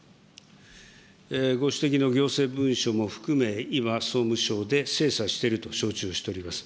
ご指摘の行政文書も含め、今、総務省で精査していると承知をしております。